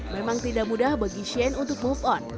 memang tidak mudah bagi shane untuk move on